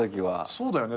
そうだよね